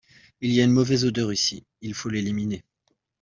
Il y a une mauvaise odeur ici, il faut l'éliminer.